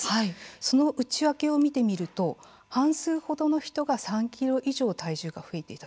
その内訳を見てみると半数ほどの人が３ｋｇ以上体重が増えていた。